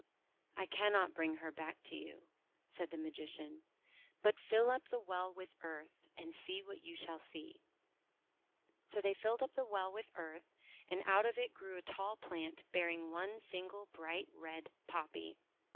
"I cannot bring her back to you," said the THE BAD POPPY SEEDS 25 Magician, 'but fill up the well with earth, and see what you shall see." So they filled up the well with earth, and out of it grew a tall plant bearing one single bright red Poppy.